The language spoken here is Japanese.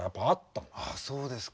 あそうですか。